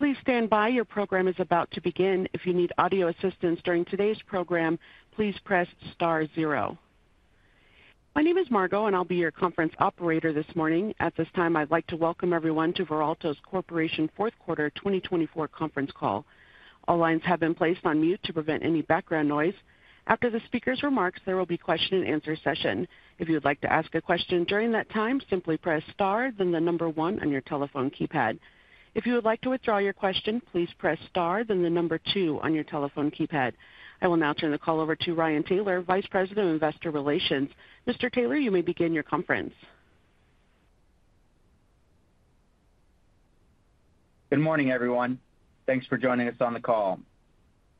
Please stand by. Your program is about to begin. If you need audio assistance during today's program, please press star zero. My name is Margo, and I'll be your conference operator this morning. At this time, I'd like to welcome everyone to Veralto Corporation's Fourth Quarter 2024 Conference Call. All lines have been placed on mute to prevent any background noise. After the speaker's remarks, there will be a question-and-answer session. If you'd like to ask a question during that time, simply press star, then the number one on your telephone keypad. If you would like to withdraw your question, please press star, then the number two on your telephone keypad. I will now turn the call over to Ryan Taylor, Vice President of Investor Relations. Mr. Taylor, you may begin your conference. Good morning, everyone. Thanks for joining us on the call.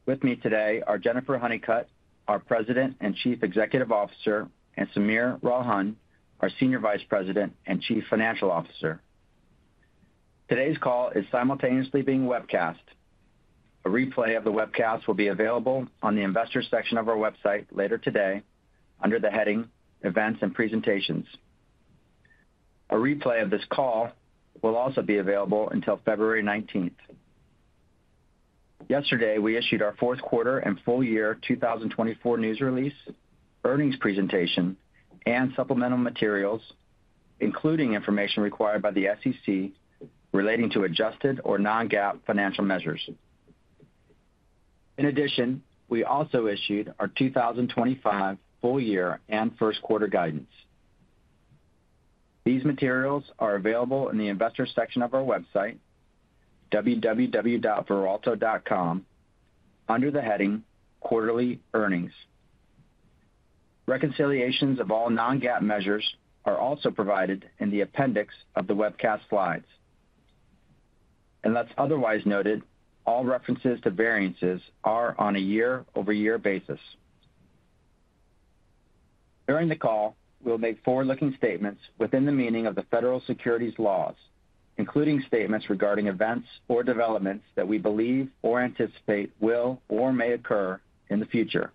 With me today are Jennifer Honeycutt, our President and Chief Executive Officer, and Sameer Ralhan, our Senior Vice President and Chief Financial Officer. Today's call is simultaneously being webcast. A replay of the webcast will be available on the Investor section of our website later today under the heading Events and Presentations. A replay of this call will also be available until February 19th. Yesterday, we issued our Fourth Quarter and Full Year 2024 News Release, Earnings Presentation, and Supplemental Materials, including information required by the SEC relating to adjusted or non-GAAP financial measures. In addition, we also issued our 2025 Full Year and First Quarter Guidance. These materials are available in the Investor section of our website, www.veralto.com, under the heading Quarterly Earnings. Reconciliations of all non-GAAP measures are also provided in the appendix of the webcast slides. Unless otherwise noted, all references to variances are on a year-over-year basis. During the call, we'll make forward-looking statements within the meaning of the federal securities laws, including statements regarding events or developments that we believe or anticipate will or may occur in the future.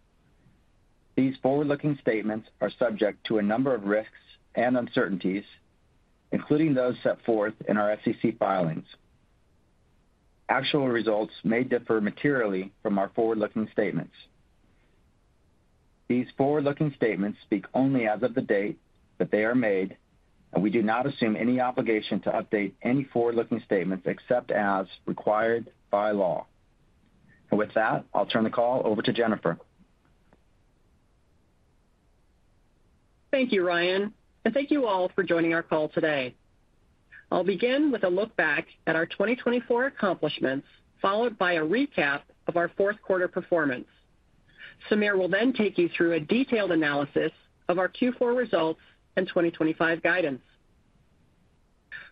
These forward-looking statements are subject to a number of risks and uncertainties, including those set forth in our SEC filings. Actual results may differ materially from our forward-looking statements. These forward-looking statements speak only as of the date that they are made, and we do not assume any obligation to update any forward-looking statements except as required by law. And with that, I'll turn the call over to Jennifer. Thank you, Ryan, and thank you all for joining our call today. I'll begin with a look back at our 2024 accomplishments, followed by a recap of our Fourth Quarter performance. Sameer will then take you through a detailed analysis of our Q4 results and 2025 guidance.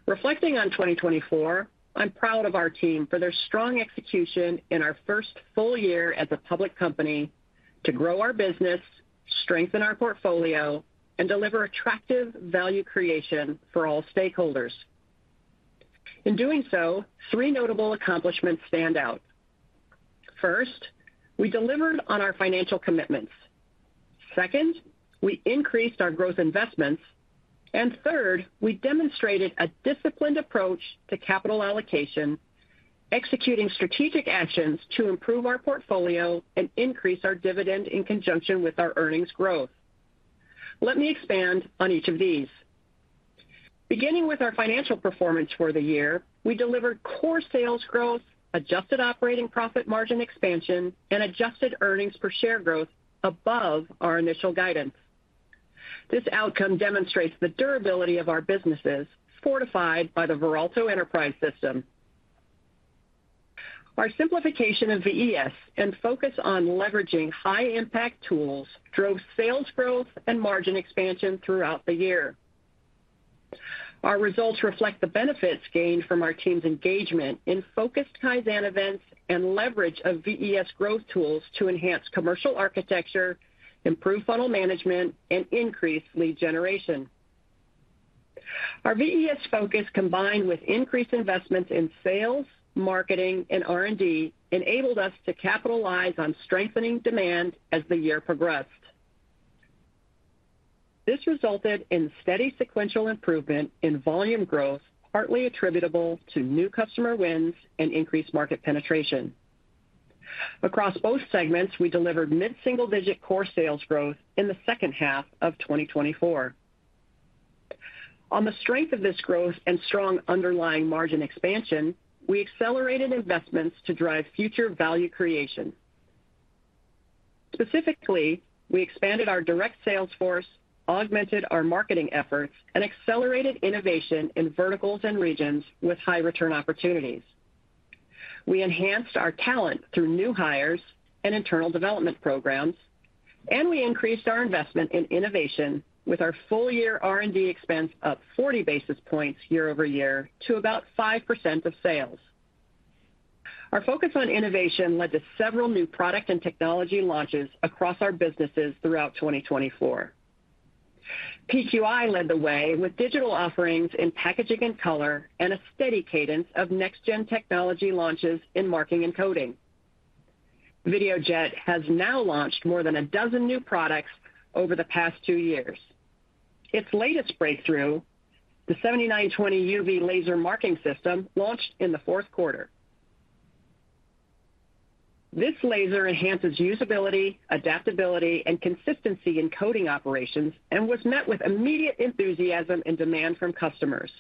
Reflecting on 2024, I'm proud of our team for their strong execution in our first full year as a public company to grow our business, strengthen our portfolio, and deliver attractive value creation for all stakeholders. In doing so, three notable accomplishments stand out. First, we delivered on our financial commitments. Second, we increased our gross investments. And third, we demonstrated a disciplined approach to capital allocation, executing strategic actions to improve our portfolio and increase our dividend in conjunction with our earnings growth. Let me expand on each of these. Beginning with our financial performance for the year, we delivered core sales growth, adjusted operating profit margin expansion, and adjusted earnings per share growth above our initial guidance. This outcome demonstrates the durability of our businesses, fortified by the Veralto Enterprise System. Our simplification of VES and focus on leveraging high-impact tools drove sales growth and margin expansion throughout the year. Our results reflect the benefits gained from our team's engagement in focused Kaizen events and leverage of VES growth tools to enhance commercial architecture, improve funnel management, and increase lead generation. Our VES focus, combined with increased investments in sales, marketing, and R&D, enabled us to capitalize on strengthening demand as the year progressed. This resulted in steady sequential improvement in volume growth, partly attributable to new customer wins and increased market penetration. Across both segments, we delivered mid-single-digit core sales growth in the second half of 2024. On the strength of this growth and strong underlying margin expansion, we accelerated investments to drive future value creation. Specifically, we expanded our direct sales force, augmented our marketing efforts, and accelerated innovation in verticals and regions with high-return opportunities. We enhanced our talent through new hires and internal development programs, and we increased our investment in innovation with our full-year R&D expense up 40 basis points year-over-year to about 5% of sales. Our focus on innovation led to several new product and technology launches across our businesses throughout 2024. PQI led the way with digital offerings in packaging and color and a steady cadence of next-gen technology launches in marking and coding. Videojet has now launched more than a dozen new products over the past two years. Its latest breakthrough, the 7920 UV Laser Marking System, launched in the fourth quarter. This laser enhances usability, adaptability, and consistency in coding operations and was met with immediate enthusiasm and demand from customers.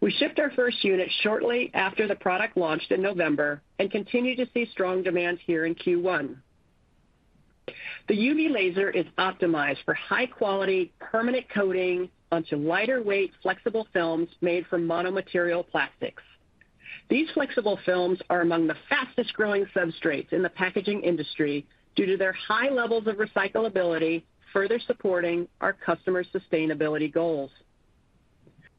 We shipped our first unit shortly after the product launched in November and continue to see strong demand here in Q1. The UV laser is optimized for high-quality permanent coding onto lighter-weight flexible films made from monomaterial plastics. These flexible films are among the fastest-growing substrates in the packaging industry due to their high levels of recyclability, further supporting our customer sustainability goals.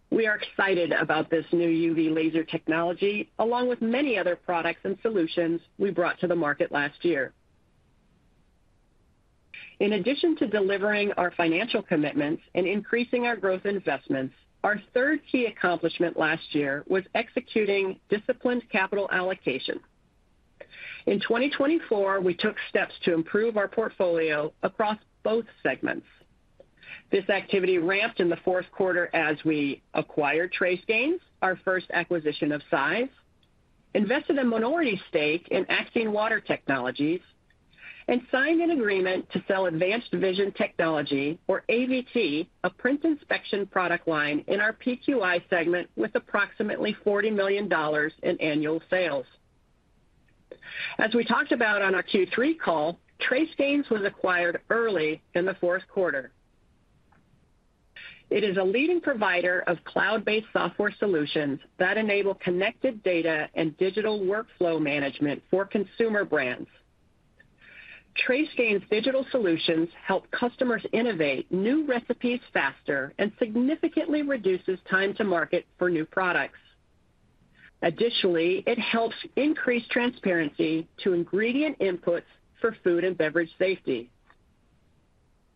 We are excited about this new UV laser technology, along with many other products and solutions we brought to the market last year. In addition to delivering our financial commitments and increasing our growth investments, our third key accomplishment last year was executing disciplined capital allocation. In 2024, we took steps to improve our portfolio across both segments. This activity ramped in the fourth quarter as we acquired TraceGains, our first acquisition of size, invested a minority stake in Axine Water Technologies, and signed an agreement to sell Advanced Vision Technology, or AVT, a print inspection product line in our PQI segment with approximately $40 million in annual sales. As we talked about on our Q3 call, TraceGains was acquired early in the fourth quarter. It is a leading provider of cloud-based software solutions that enable connected data and digital workflow management for consumer brands. TraceGains' digital solutions help customers innovate new recipes faster and significantly reduce time to market for new products. Additionally, it helps increase transparency to ingredient inputs for food and beverage safety.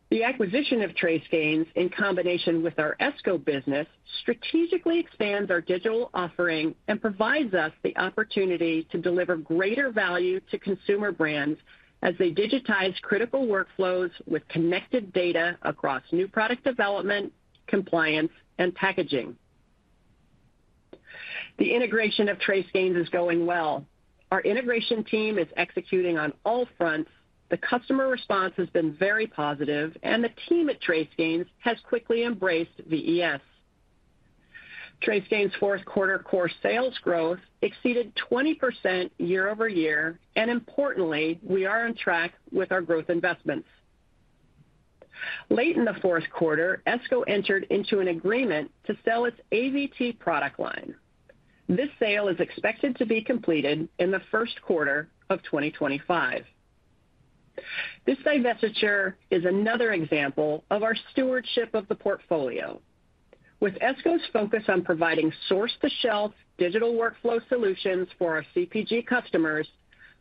The acquisition of TraceGains, in combination with our Esko business, strategically expands our digital offering and provides us the opportunity to deliver greater value to consumer brands as they digitize critical workflows with connected data across new product development, compliance, and packaging. The integration of TraceGains is going well. Our integration team is executing on all fronts. The customer response has been very positive, and the team at TraceGains has quickly embraced VES. TraceGains' fourth quarter core sales growth exceeded 20% year-over-year, and importantly, we are on track with our growth investments. Late in the fourth quarter, Esko entered into an agreement to sell its AVT product line. This sale is expected to be completed in the first quarter of 2025. This divestiture is another example of our stewardship of the portfolio. With Esko's focus on providing source-to-shelf digital workflow solutions for our CPG customers,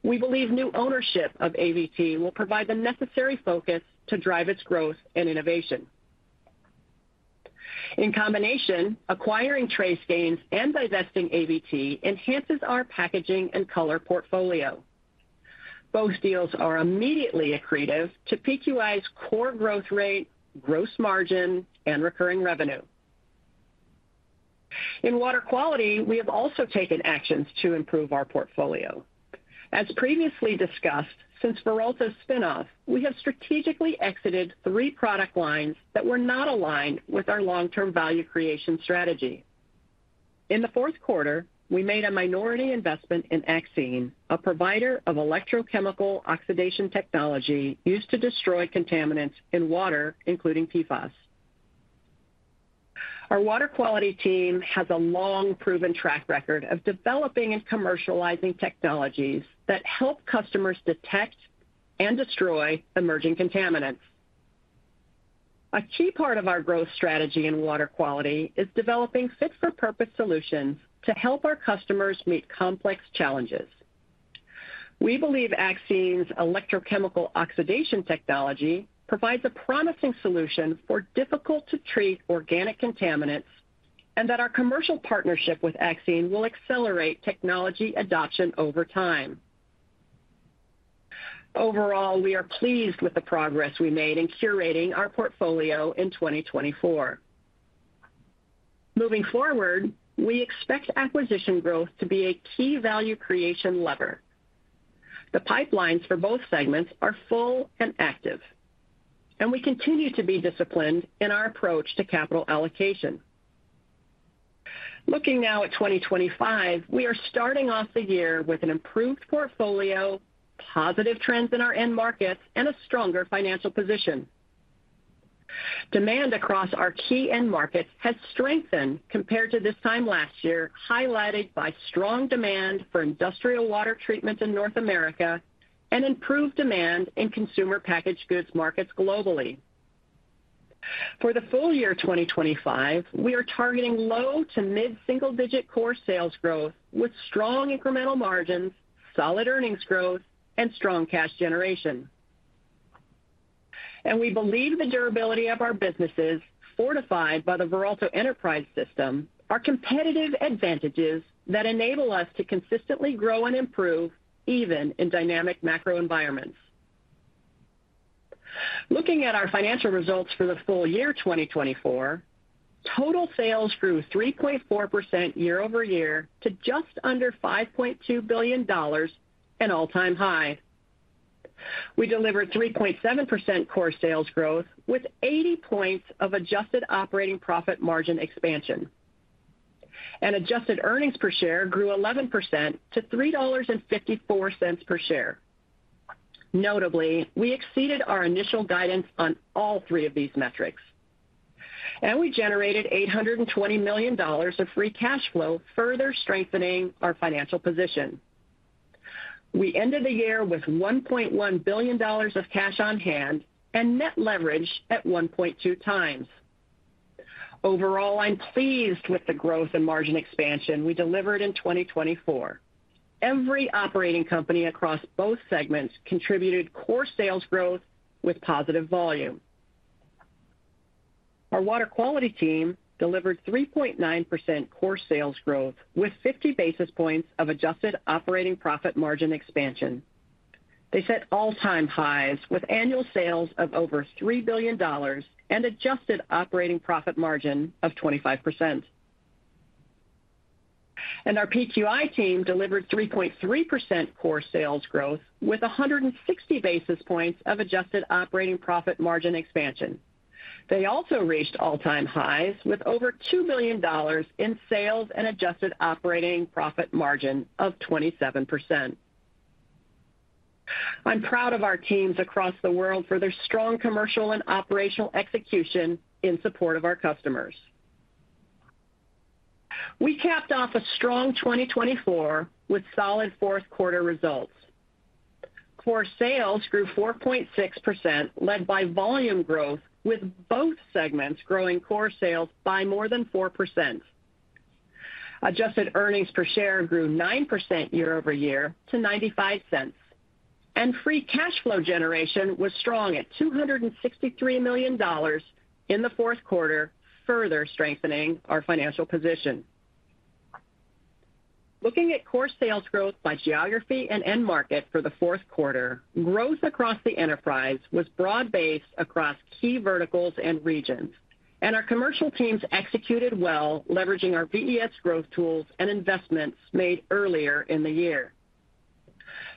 we believe new ownership of AVT will provide the necessary focus to drive its growth and innovation. In combination, acquiring TraceGains and divesting AVT enhances our packaging and color portfolio. Both deals are immediately accretive to PQI's core growth rate, gross margin, and recurring revenue. In water quality, we have also taken actions to improve our portfolio. As previously discussed, since Veralto's spinoff, we have strategically exited three product lines that were not aligned with our long-term value creation strategy. In the fourth quarter, we made a minority investment in Axine, a provider of electrochemical oxidation technology used to destroy contaminants in water, including PFAS. Our water quality team has a long-proven track record of developing and commercializing technologies that help customers detect and destroy emerging contaminants. A key part of our growth strategy in water quality is developing fit-for-purpose solutions to help our customers meet complex challenges. We believe Axine's electrochemical oxidation technology provides a promising solution for difficult-to-treat organic contaminants and that our commercial partnership with Axine will accelerate technology adoption over time. Overall, we are pleased with the progress we made in curating our portfolio in 2024. Moving forward, we expect acquisition growth to be a key value creation lever. The pipelines for both segments are full and active, and we continue to be disciplined in our approach to capital allocation. Looking now at 2025, we are starting off the year with an improved portfolio, positive trends in our end markets, and a stronger financial position. Demand across our key end markets has strengthened compared to this time last year, highlighted by strong demand for industrial water treatment in North America and improved demand in consumer packaged goods markets globally. For the full year 2025, we are targeting low to mid-single-digit core sales growth with strong incremental margins, solid earnings growth, and strong cash generation. And we believe the durability of our businesses, fortified by the Veralto Enterprise System, are competitive advantages that enable us to consistently grow and improve even in dynamic macro environments. Looking at our financial results for the full year 2024, total sales grew 3.4% year-over-year to just under $5.2 billion, an all-time high. We delivered 3.7% core sales growth with 80 points of adjusted operating profit margin expansion. And adjusted earnings per share grew 11% to $3.54 per share. Notably, we exceeded our initial guidance on all three of these metrics, and we generated $820 million of free cash flow, further strengthening our financial position. We ended the year with $1.1 billion of cash on hand and net leverage at 1.2 times. Overall, I'm pleased with the growth and margin expansion we delivered in 2024. Every operating company across both segments contributed core sales growth with positive volume. Our water quality team delivered 3.9% core sales growth with 50 basis points of adjusted operating profit margin expansion. They set all-time highs with annual sales of over $3 billion and adjusted operating profit margin of 25%, and our PQI team delivered 3.3% core sales growth with 160 basis points of adjusted operating profit margin expansion. They also reached all-time highs with over $2 billion in sales and adjusted operating profit margin of 27%. I'm proud of our teams across the world for their strong commercial and operational execution in support of our customers. We capped off a strong 2024 with solid fourth-quarter results. Core sales grew 4.6%, led by volume growth, with both segments growing core sales by more than 4%. Adjusted earnings per share grew 9% year-over-year to $0.95, and free cash flow generation was strong at $263 million in the fourth quarter, further strengthening our financial position. Looking at core sales growth by geography and end market for the fourth quarter, growth across the enterprise was broad-based across key verticals and regions, and our commercial teams executed well, leveraging our VES growth tools and investments made earlier in the year.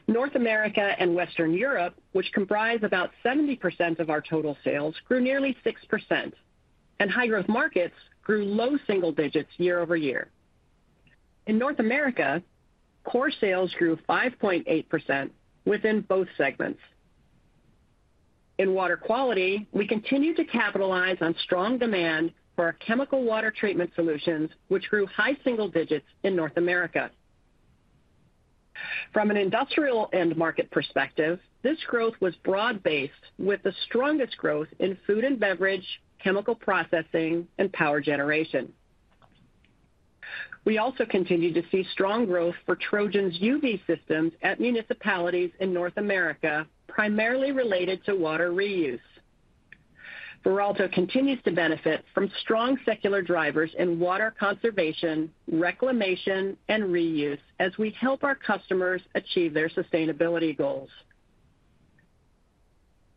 North America and Western Europe, which comprise about 70% of our total sales, grew nearly 6%, and high-growth markets grew low single digits year-over-year. In North America, core sales grew 5.8% within both segments. In water quality, we continued to capitalize on strong demand for our chemical water treatment solutions, which grew high single digits in North America. From an industrial end market perspective, this growth was broad-based, with the strongest growth in food and beverage, chemical processing, and power generation. We also continue to see strong growth for Trojan's UV systems at municipalities in North America, primarily related to water reuse. Veralto continues to benefit from strong secular drivers in water conservation, reclamation, and reuse as we help our customers achieve their sustainability goals.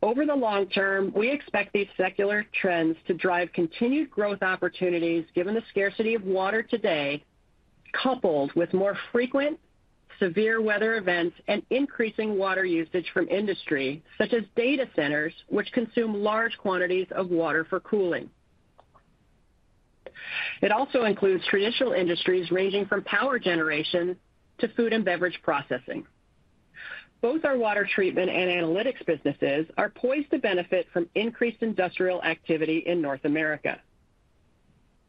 Over the long term, we expect these secular trends to drive continued growth opportunities given the scarcity of water today, coupled with more frequent severe weather events and increasing water usage from industry, such as data centers, which consume large quantities of water for cooling. It also includes traditional industries ranging from power generation to food and beverage processing. Both our water treatment and analytics businesses are poised to benefit from increased industrial activity in North America.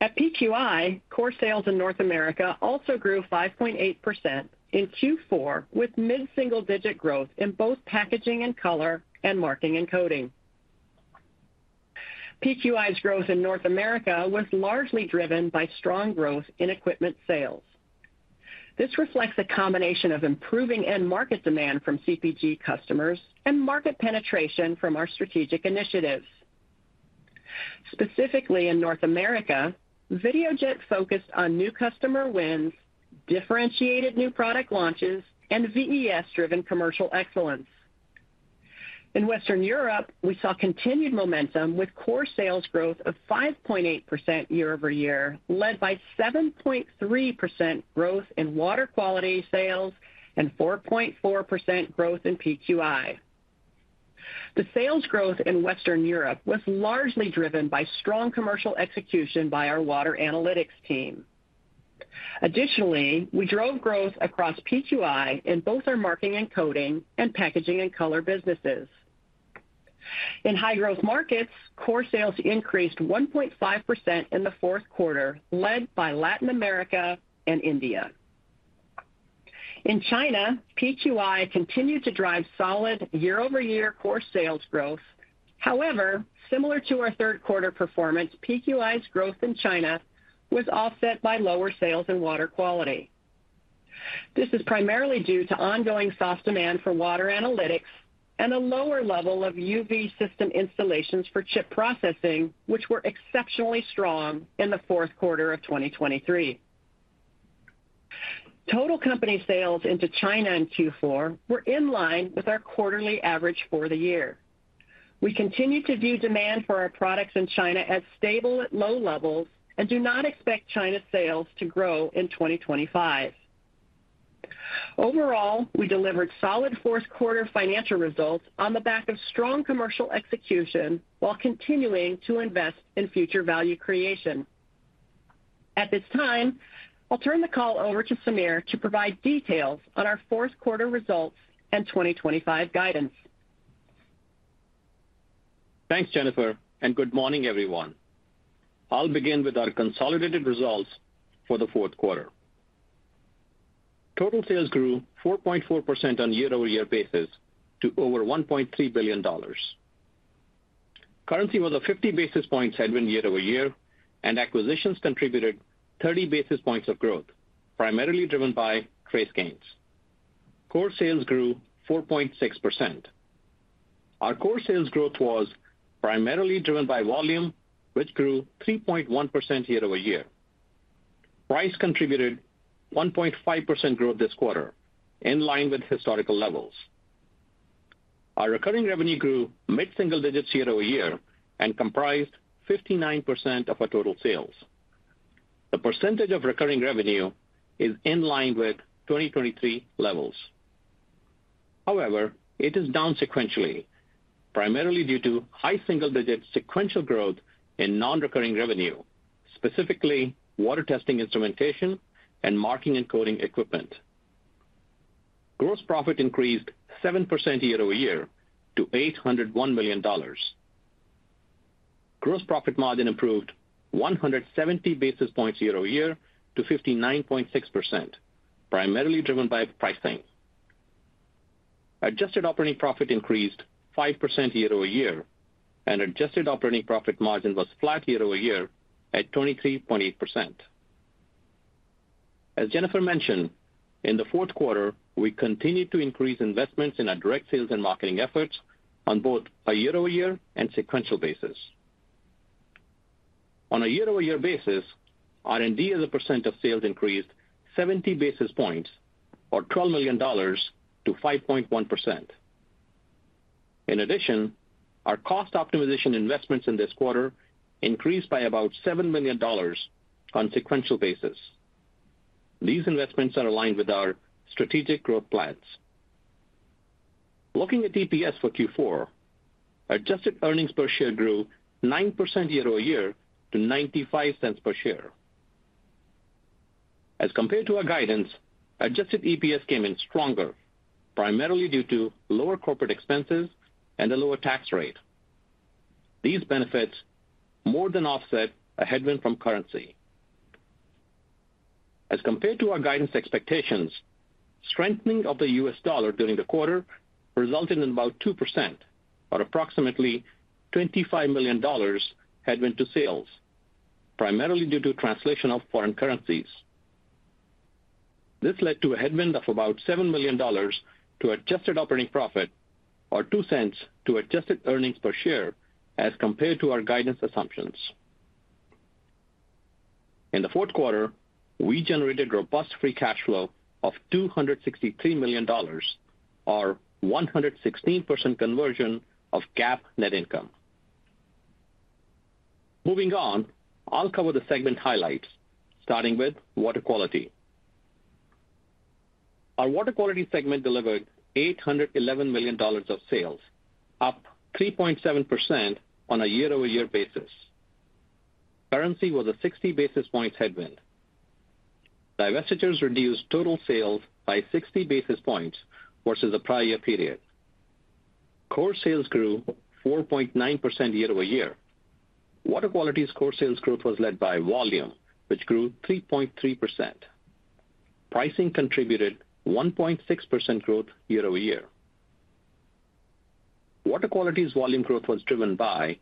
At PQI, core sales in North America also grew 5.8% in Q4, with mid-single digit growth in both packaging and color and marking and coding. PQI's growth in North America was largely driven by strong growth in equipment sales. This reflects a combination of improving end market demand from CPG customers and market penetration from our strategic initiatives. Specifically in North America, Videojet focused on new customer wins, differentiated new product launches, and VES-driven commercial excellence. In Western Europe, we saw continued momentum with core sales growth of 5.8% year-over-year, led by 7.3% growth in water quality sales and 4.4% growth in PQI. The sales growth in Western Europe was largely driven by strong commercial execution by our water analytics team. Additionally, we drove growth across PQI in both our marking and coding and packaging and color businesses. In high-growth markets, core sales increased 1.5% in the fourth quarter, led by Latin America and India. In China, PQI continued to drive solid year-over-year core sales growth. However, similar to our third-quarter performance, PQI's growth in China was offset by lower sales in water quality. This is primarily due to ongoing soft demand for water analytics and a lower level of UV system installations for chip processing, which were exceptionally strong in the fourth quarter of 2023. Total company sales into China in Q4 were in line with our quarterly average for the year. We continue to view demand for our products in China as stable at low levels and do not expect China's sales to grow in 2025. Overall, we delivered solid fourth-quarter financial results on the back of strong commercial execution while continuing to invest in future value creation. At this time, I'll turn the call over to Sameer to provide details on our fourth quarter results and 2025 guidance. Thanks, Jennifer, and good morning, everyone. I'll begin with our consolidated results for the fourth quarter. Total sales grew 4.4% on year-over-year basis to over $1.3 billion. Currency was a 50 basis points headwind year-over-year, and acquisitions contributed 30 basis points of growth, primarily driven by TraceGains. Core sales grew 4.6%. Our core sales growth was primarily driven by volume, which grew 3.1% year-over-year. Price contributed 1.5% growth this quarter, in line with historical levels. Our recurring revenue grew mid-single digits year-over-year and comprised 59% of our total sales. The percentage of recurring revenue is in line with 2023 levels. However, it is down sequentially, primarily due to high single-digit sequential growth in non-recurring revenue, specifically water testing instrumentation and marking and coding equipment. Gross profit increased 7% year-over-year to $801 million. Gross profit margin improved 170 basis points year-over-year to 59.6%, primarily driven by pricing. Adjusted operating profit increased 5% year-over-year, and adjusted operating profit margin was flat year-over-year at 23.8%. As Jennifer mentioned, in the fourth quarter, we continued to increase investments in our direct sales and marketing efforts on both a year-over-year and sequential basis. On a year-over-year basis, R&D as a percent of sales increased 70 basis points or $12 million to 5.1%. In addition, our cost optimization investments in this quarter increased by about $7 million on sequential basis. These investments are aligned with our strategic growth plans. Looking at EPS for Q4, adjusted earnings per share grew 9% year-over-year to $0.95 per share. As compared to our guidance, Adjusted EPS came in stronger, primarily due to lower corporate expenses and a lower tax rate. These benefits more than offset a headwind from currency. As compared to our guidance expectations, strengthening of the U.S. dollar during the quarter resulted in about 2% or approximately $25 million headwind to sales, primarily due to translation of foreign currencies. This led to a headwind of about $7 million to adjusted operating profit or $0.02 to adjusted earnings per share as compared to our guidance assumptions. In the fourth quarter, we generated robust free cash flow of $263 million or 116% conversion of GAAP net income. Moving on, I'll cover the segment highlights, starting with water quality. Our water quality segment delivered $811 million of sales, up 3.7% on a year-over-year basis. Currency was a 60 basis points headwind. Divestitures reduced total sales by 60 basis points versus the prior year period. Core sales grew 4.9% year-over-year. Water quality's core sales growth was led by volume, which grew 3.3%. Pricing contributed 1.6% growth year-over-year. Water quality's volume growth was driven by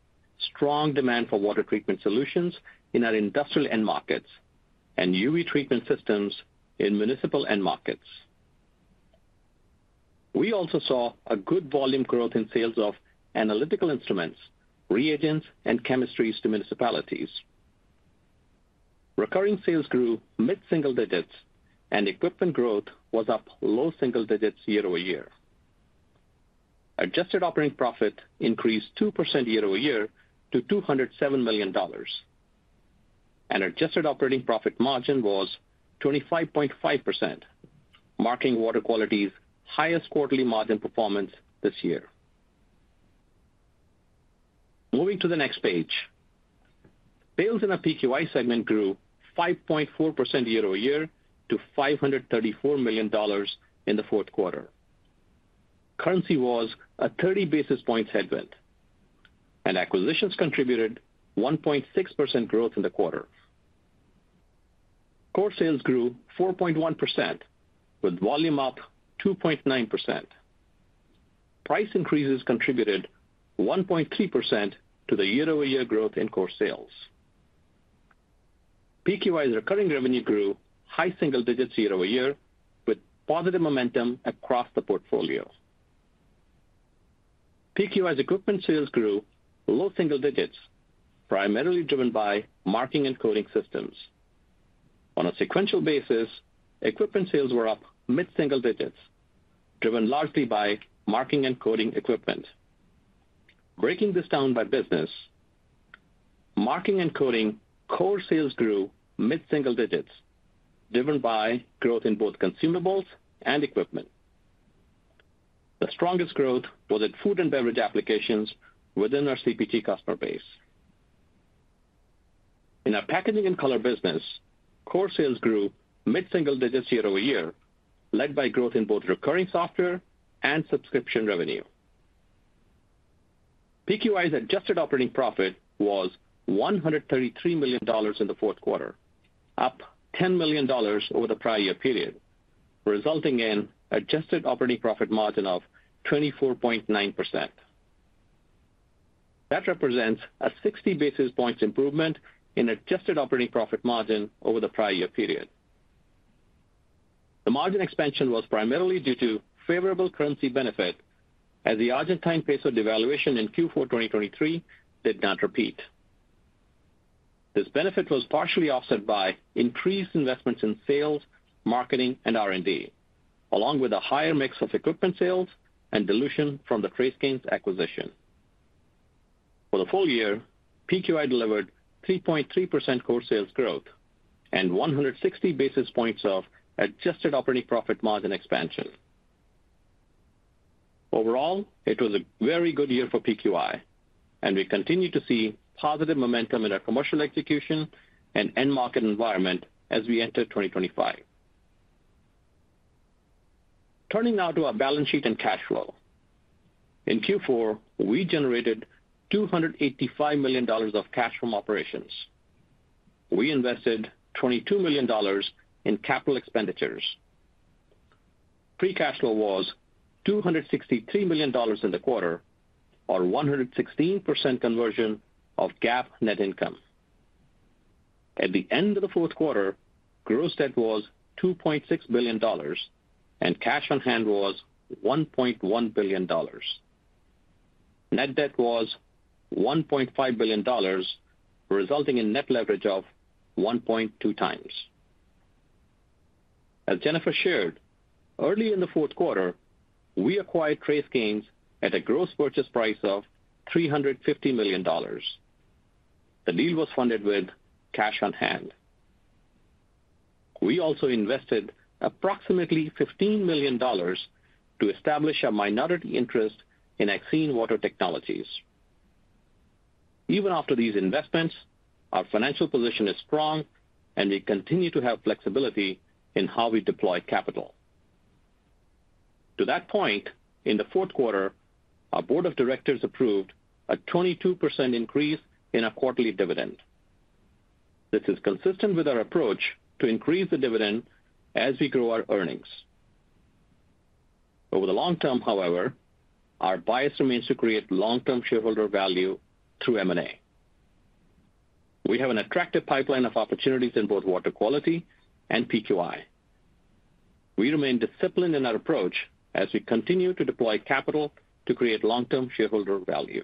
strong demand for water treatment solutions in our industrial end markets and UV treatment systems in municipal end markets. We also saw a good volume growth in sales of analytical instruments, reagents, and chemistries to municipalities. Recurring sales grew mid-single digits, and equipment growth was up low single digits year-over-year. Adjusted operating profit increased 2% year-over-year to $207 million. Adjusted operating profit margin was 25.5%, marking water quality's highest quarterly margin performance this year. Moving to the next page, sales in our PQI segment grew 5.4% year-over-year to $534 million in the fourth quarter. Currency was a 30 basis points headwind, and acquisitions contributed 1.6% growth in the quarter. Core sales grew 4.1%, with volume up 2.9%. Price increases contributed 1.3% to the year-over-year growth in core sales. PQI's recurring revenue grew high single digits year-over-year, with positive momentum across the portfolio. PQI's equipment sales grew low single digits, primarily driven by marking and coding systems. On a sequential basis, equipment sales were up mid-single digits, driven largely by marking and coding equipment. Breaking this down by business, marking and coding core sales grew mid-single digits, driven by growth in both consumables and equipment. The strongest growth was in food and beverage applications within our CPG customer base. In our packaging and color business, core sales grew mid-single digits year-over-year, led by growth in both recurring software and subscription revenue. PQI's adjusted operating profit was $133 million in the fourth quarter, up $10 million over the prior year period, resulting in adjusted operating profit margin of 24.9%. That represents a 60 basis points improvement in adjusted operating profit margin over the prior year period. The margin expansion was primarily due to favorable currency benefit, as the Argentine peso devaluation in Q4 2023 did not repeat. This benefit was partially offset by increased investments in sales, marketing, and R&D, along with a higher mix of equipment sales and dilution from the TraceGains acquisition. For the full year, PQI delivered 3.3% core sales growth and 160 basis points of adjusted operating profit margin expansion. Overall, it was a very good year for PQI, and we continue to see positive momentum in our commercial execution and end market environment as we enter 2025. Turning now to our balance sheet and cash flow. In Q4, we generated $285 million of cash from operations. We invested $22 million in capital expenditures. Free cash flow was $263 million in the quarter, or 116% conversion of GAAP net income. At the end of the fourth quarter, gross debt was $2.6 billion, and cash on hand was $1.1 billion. Net debt was $1.5 billion, resulting in net leverage of 1.2 times. As Jennifer shared, early in the fourth quarter, we acquired TraceGains at a gross purchase price of $350 million. The deal was funded with cash on hand. We also invested approximately $15 million to establish a minority interest in Axine Water Technologies. Even after these investments, our financial position is strong, and we continue to have flexibility in how we deploy capital. To that point, in the fourth quarter, our board of directors approved a 22% increase in our quarterly dividend. This is consistent with our approach to increase the dividend as we grow our earnings. Over the long term, however, our bias remains to create long-term shareholder value through M&A. We have an attractive pipeline of opportunities in both water quality and PQI. We remain disciplined in our approach as we continue to deploy capital to create long-term shareholder value.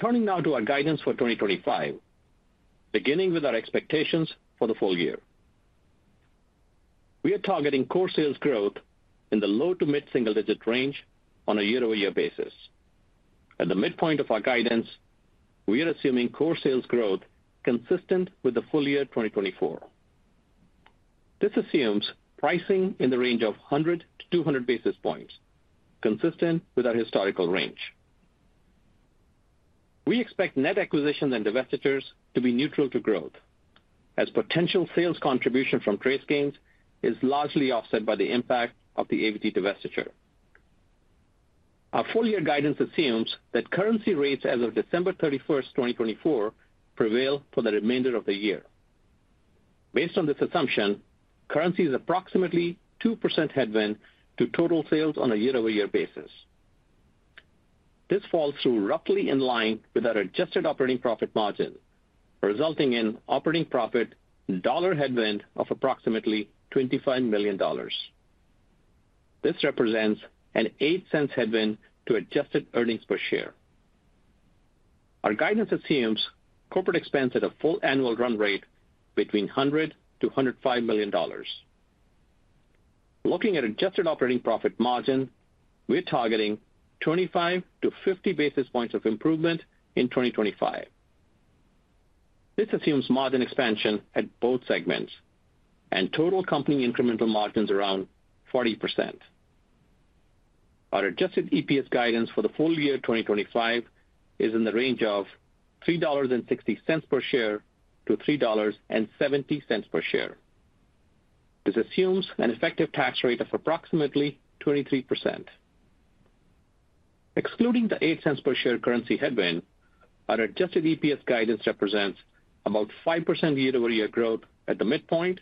Turning now to our guidance for 2025, beginning with our expectations for the full year. We are targeting core sales growth in the low to mid-single digit range on a year-over-year basis. At the midpoint of our guidance, we are assuming core sales growth consistent with the full year 2024. This assumes pricing in the range of 100-200 basis points, consistent with our historical range. We expect net acquisitions and divestitures to be neutral to growth, as potential sales contribution from TraceGains is largely offset by the impact of the AVT divestiture. Our full-year guidance assumes that currency rates as of December 31st, 2024, prevail for the remainder of the year. Based on this assumption, currency is approximately 2% headwind to total sales on a year-over-year basis. This falls through roughly in line with our adjusted operating profit margin, resulting in operating profit dollar headwind of approximately $25 million. This represents a $0.08 headwind to adjusted earnings per share. Our guidance assumes corporate expense at a full annual run rate between $100 million-$105 million. Looking at adjusted operating profit margin, we are targeting 25-50 basis points of improvement in 2025. This assumes margin expansion at both segments and total company incremental margins around 40%. Our Adjusted EPS guidance for the full year 2025 is in the range of $3.60-$3.70 per share. This assumes an effective tax rate of approximately 23%. Excluding the $0.08 per share currency headwind, our Adjusted EPS guidance represents about 5% year-over-year growth at the midpoint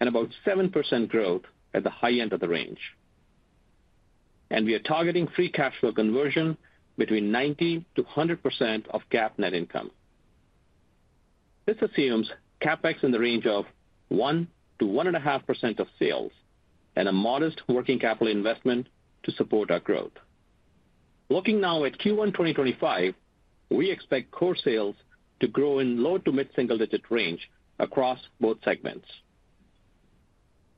and about 7% growth at the high end of the range, and we are targeting free cash flow conversion between 90%-100% of GAAP net income. This assumes CapEx in the range of 1%-1.5% of sales and a modest working capital investment to support our growth. Looking now at Q1 2025, we expect core sales to grow in low- to mid-single-digit range across both segments.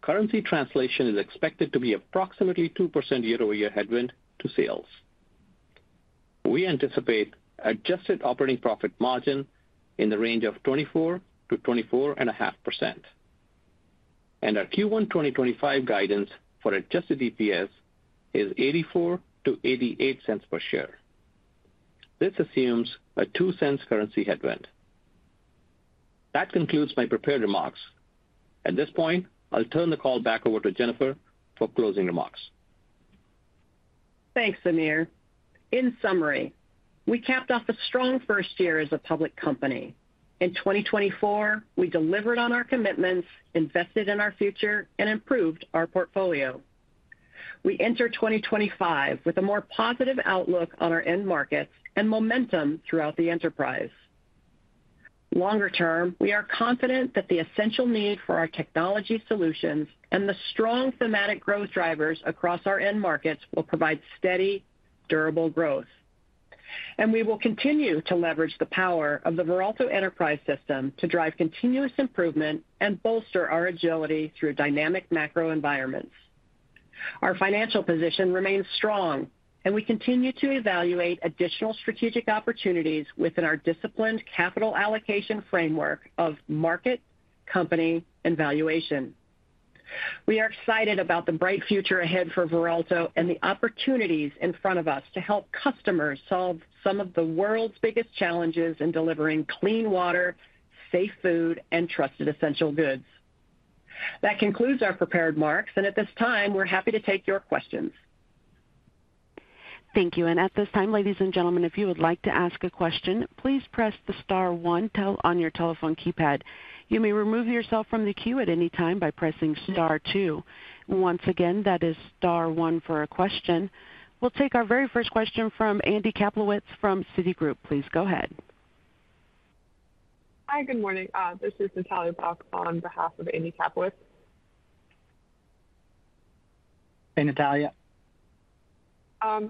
Currency translation is expected to be approximately 2% year-over-year headwind to sales. We anticipate adjusted operating profit margin in the range of 24%-24.5%, and our Q1 2025 guidance for Adjusted EPS is $0.84-$0.88 per share. This assumes a $0.02 currency headwind. That concludes my prepared remarks. At this point, I'll turn the call back over to Jennifer for closing remarks. Thanks, Sameer. In summary, we capped off a strong first year as a public company. In 2024, we delivered on our commitments, invested in our future, and improved our portfolio. We enter 2025 with a more positive outlook on our end markets and momentum throughout the enterprise. Longer term, we are confident that the essential need for our technology solutions and the strong thematic growth drivers across our end markets will provide steady, durable growth. And we will continue to leverage the power of the Veralto Enterprise System to drive continuous improvement and bolster our agility through dynamic macro environments. Our financial position remains strong, and we continue to evaluate additional strategic opportunities within our disciplined capital allocation framework of market, company, and valuation. We are excited about the bright future ahead for Veralto and the opportunities in front of us to help customers solve some of the world's biggest challenges in delivering clean water, safe food, and trusted essential goods. That concludes our prepared remarks, and at this time, we're happy to take your questions. Thank you. And at this time, ladies and gentlemen, if you would like to ask a question, please press the star one on your telephone keypad. You may remove yourself from the queue at any time by pressing star two. Once again, that is star one for a question. We'll take our very first question from Andy Kaplowitz from Citigroup. Please go ahead. Hi, good morning. This is Natalia Buck on behalf of Andy Kaplowitz. Hey, Natalia.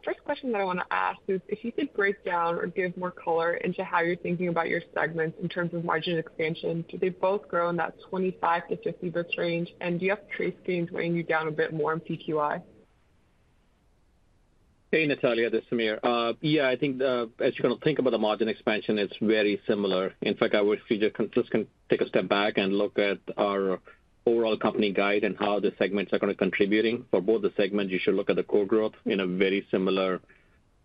First question that I want to ask is, if you could break down or give more color into how you're thinking about your segments in terms of margin expansion, do they both grow in that 25-50 basis points range, and do you have TraceGains weighing you down a bit more in PQI? Hey, Natalia, this is Sameer. Yeah, I think as you're going to think about the margin expansion, it's very similar. In fact, I wish we just can take a step back and look at our overall company guide and how the segments are going to be contributing. For both the segments, you should look at the core growth in a very similar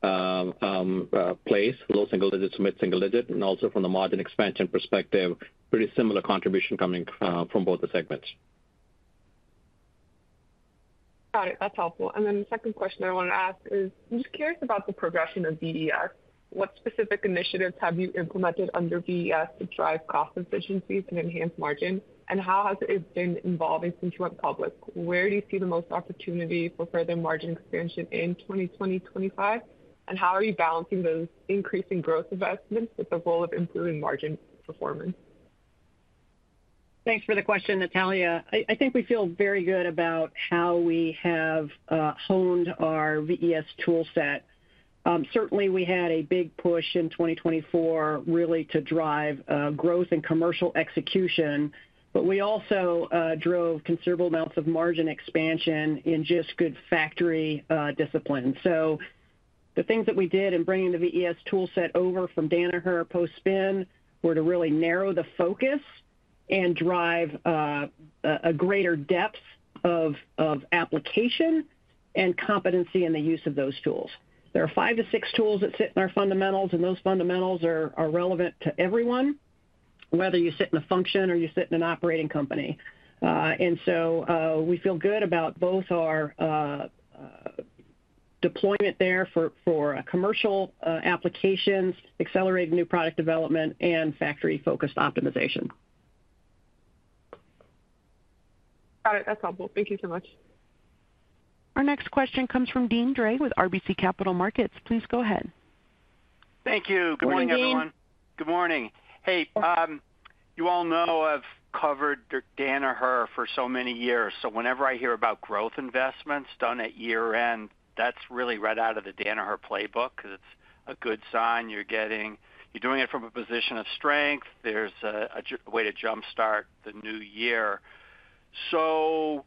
place, low single-digit to mid-single-digit, and also from the margin expansion perspective, pretty similar contribution coming from both the segments. Got it. That's helpful. And then the second question I wanted to ask is, I'm just curious about the progression of VES. What specific initiatives have you implemented under VES to drive cost efficiencies and enhance margin, and how has it been evolving things from DBS? Where do you see the most opportunity for further margin expansion in 2020-2025, and how are you balancing those increasing growth investments with the role of improving margin performance? Thanks for the question, Natalia. I think we feel very good about how we have honed our VES toolset. Certainly, we had a big push in 2024 really to drive growth and commercial execution, but we also drove considerable amounts of margin expansion in just good factory discipline. So the things that we did in bringing the VES toolset over from Danaher post-spin were to really narrow the focus and drive a greater depth of application and competency in the use of those tools. There are five to six tools that sit in our fundamentals, and those fundamentals are relevant to everyone, whether you sit in a function or you sit in an operating company. And so we feel good about both our deployment there for commercial applications, accelerating new product development, and factory-focused optimization. Got it. That's helpful. Thank you so much. Our next question comes from Deane Dray with RBC Capital Markets. Please go ahead. Thank you. Good morning, everyone. Good morning. Hey, you all know I've covered Danaher for so many years. So whenever I hear about growth investments done at year-end, that's really right out of the Danaher playbook because it's a good sign you're getting. You're doing it from a position of strength. There's a way to jump-start the new year. So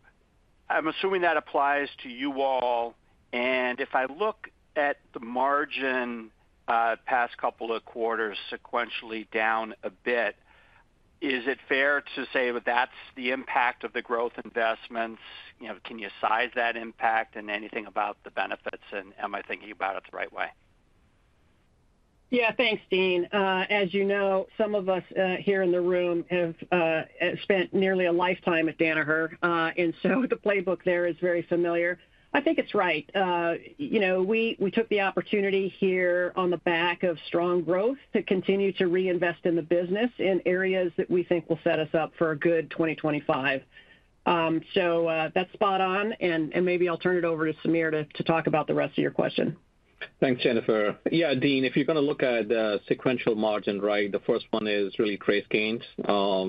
I'm assuming that applies to you all. And if I look at the margin past couple of quarters sequentially down a bit, is it fair to say that that's the impact of the growth investments? Can you size that impact and anything about the benefits, and am I thinking about it the right way? Yeah, thanks, Deane. As you know, some of us here in the room have spent nearly a lifetime at Danaher, and so the playbook there is very familiar. I think it's right. We took the opportunity here on the back of strong growth to continue to reinvest in the business in areas that we think will set us up for a good 2025. So that's spot on, and maybe I'll turn it over to Sameer to talk about the rest of your question. Thanks, Jennifer. Yeah, Deane, if you're going to look at sequential margin, right, the first one is really TraceGains,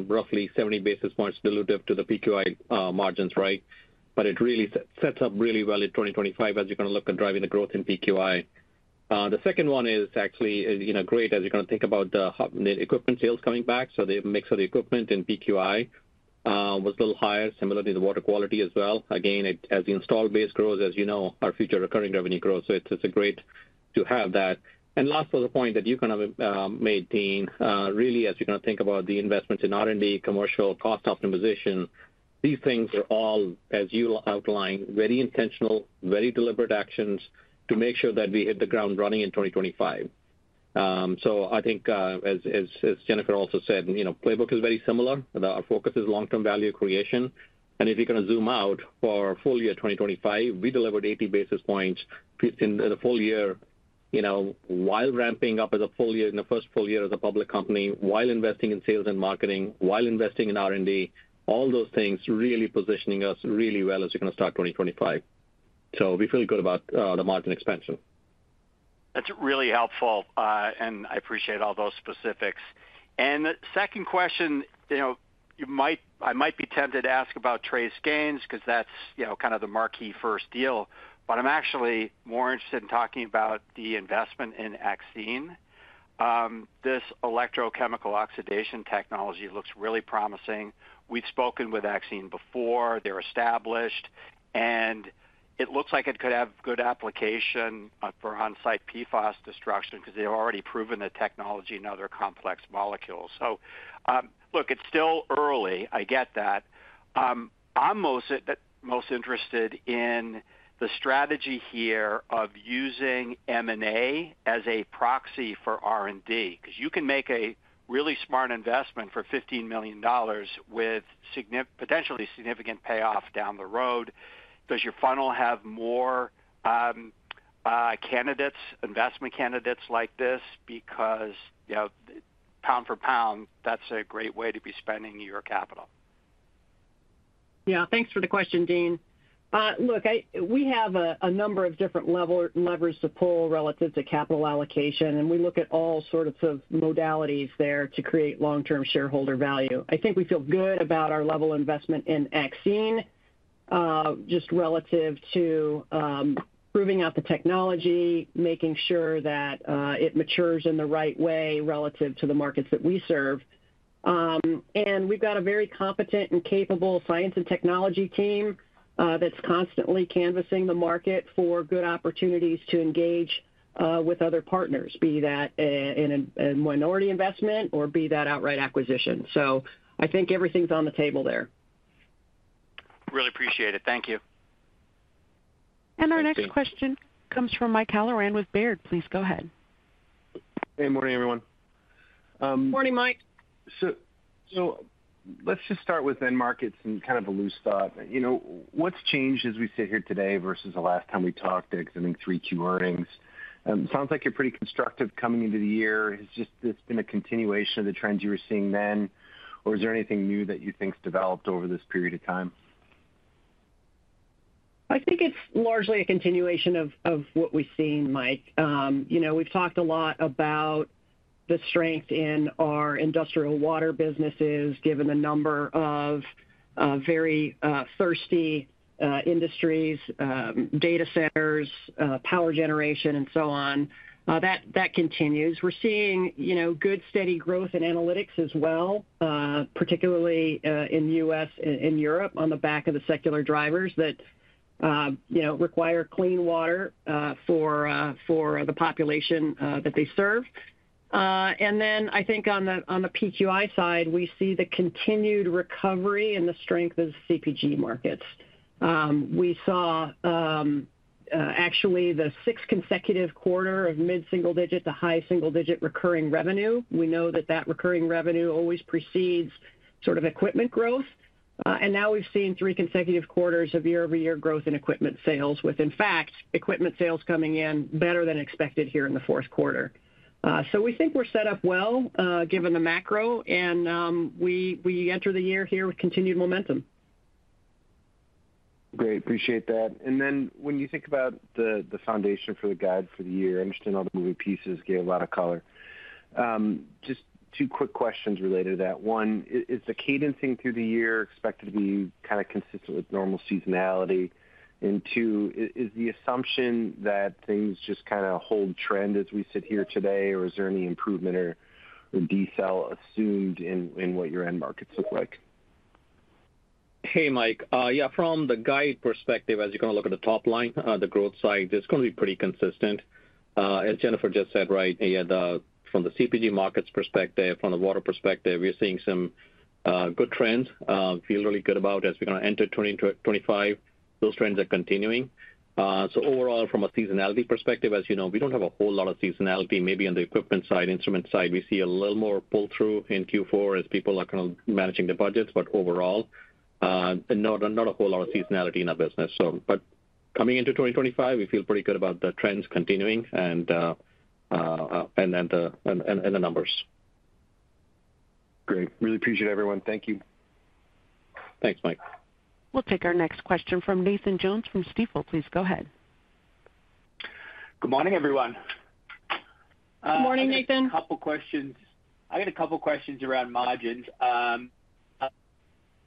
roughly 70 basis points dilutive to the PQI margins, right? But it really sets up really well in 2025 as you're going to look at driving the growth in PQI. The second one is actually great as you're going to think about the equipment sales coming back. So the mix of the equipment in PQI was a little higher, similar to the water quality as well. Again, as the installed base grows, as you know, our future recurring revenue grows. So it's great to have that. And last on the point that you kind of made, Deane, really as you're going to think about the investments in R&D, commercial cost optimization, these things are all, as you outlined, very intentional, very deliberate actions to make sure that we hit the ground running in 2025. So I think, as Jennifer also said, the playbook is very similar. Our focus is long-term value creation. And if you're going to zoom out for full year 2025, we delivered 80 basis points in the full year while ramping up as a full year in the first full year as a public company, while investing in sales and marketing, while investing in R&D, all those things really positioning us really well as you're going to start 2025. So we feel good about the margin expansion. That's really helpful, and I appreciate all those specifics. And the second question, I might be tempted to ask about TraceGains because that's kind of the marquee first deal, but I'm actually more interested in talking about the investment in Axine. This electrochemical oxidation technology looks really promising. We've spoken with Axine before. They're established, and it looks like it could have good application for on-site PFAS destruction because they've already proven the technology in other complex molecules. So look, it's still early. I get that. I'm most interested in the strategy here of using M&A as a proxy for R&D because you can make a really smart investment for $15 million with potentially significant payoff down the road. Does your funnel have more investment candidates like this? Because pound for pound, that's a great way to be spending your capital. Yeah, thanks for the question, Deane. Look, we have a number of different levers to pull relative to capital allocation, and we look at all sorts of modalities there to create long-term shareholder value. I think we feel good about our level of investment in Axine just relative to proving out the technology, making sure that it matures in the right way relative to the markets that we serve. And we've got a very competent and capable science and technology team that's constantly canvassing the market for good opportunities to engage with other partners, be that in a minority investment or be that outright acquisition. So I think everything's on the table there. Really appreciate it. Thank you. And our next question comes from Mike Halloran with Baird. Please go ahead. Hey, morning, everyone. Morning, Mike. So let's just start with end markets and kind of a loose thought. What's changed as we sit here today versus the last time we talked at 3Q earnings? Sounds like you're pretty constructive coming into the year. Has just this been a continuation of the trends you were seeing then, or is there anything new that you think's developed over this period of time? I think it's largely a continuation of what we've seen, Mike. We've talked a lot about the strength in our industrial water businesses given the number of very thirsty industries, data centers, power generation, and so on. That continues. We're seeing good steady growth in analytics as well, particularly in the U.S. and Europe on the back of the secular drivers that require clean water for the population that they serve. And then I think on the PQI side, we see the continued recovery and the strength of the CPG markets. We saw actually the sixth consecutive quarter of mid-single digit to high single digit recurring revenue. We know that that recurring revenue always precedes sort of equipment growth. And now we've seen three consecutive quarters of year-over-year growth in equipment sales, with, in fact, equipment sales coming in better than expected here in the fourth quarter. So we think we're set up well given the macro, and we enter the year here with continued momentum. Great. Appreciate that. And then when you think about the foundation for the guide for the year, I understand all the moving pieces gave a lot of color. Just two quick questions related to that. One, is the cadencing through the year expected to be kind of consistent with normal seasonality? And two, is the assumption that things just kind of hold trend as we sit here today, or is there any improvement or decel assumed in what your end markets look like? Hey, Mike. Yeah, from the guide perspective, as you're going to look at the top line, the growth side, it's going to be pretty consistent. As Jennifer just said, right, from the CPG markets perspective, from the water perspective, we're seeing some good trends. Feel really good about as we're going to enter 2025. Those trends are continuing. So overall, from a seasonality perspective, as you know, we don't have a whole lot of seasonality. Maybe on the equipment side, instrument side, we see a little more pull-through in Q4 as people are kind of managing the budgets, but overall, not a whole lot of seasonality in our business. But coming into 2025, we feel pretty good about the trends continuing and the numbers. Great. Really appreciate it, everyone. Thank you. Thanks, Mike. We'll take our next question from Nathan Jones from Stifel. Please go ahead. Good morning, everyone. Good morning, Nathan. I got a couple of questions around margins.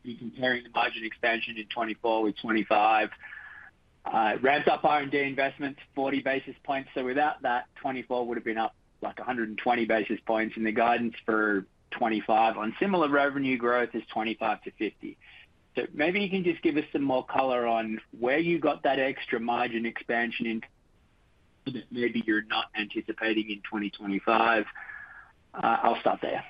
You're comparing the margin expansion in 2024 with 2025. It ramped up R&D investments, 40 basis points. So without that, 2024 would have been up like 120 basis points. And the guidance for 2025 on similar revenue growth is 25 to 50. So maybe you can just give us some more color on where you got that extra margin expansion in that maybe you're not anticipating in 2025. I'll stop there.